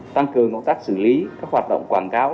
tăng cường công tác xử lý các hoạt động quảng cáo